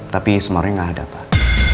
tapi sumarno ini gak ada pak